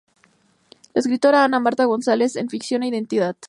La escritora Ana Marta González en "Ficción e identidad.